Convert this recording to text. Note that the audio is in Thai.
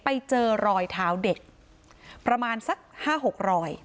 ไปเจอรอยเท้าเด็กประมาณสัก๕๖รอย